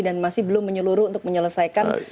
dan masih belum menyeluruh untuk menyelesaikan